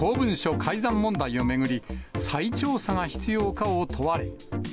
改ざん問題を巡り、再調査が必要かを問われ。